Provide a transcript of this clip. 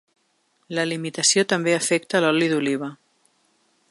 La limitació també afecta l’oli d’oliva.